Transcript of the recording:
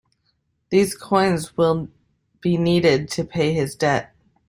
These coins will be needed to pay his debt.